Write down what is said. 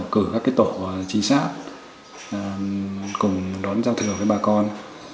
cử các tổ chính xác cùng đón giao thừa với bà con